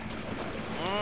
うん。